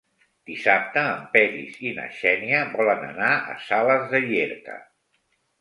Dissabte en Peris i na Xènia volen anar a Sales de Llierca.